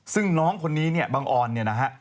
ซึ่งน้องคนนี้เนี่ยบังออนเนี่ยนะฮะ